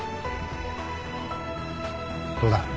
どうだ？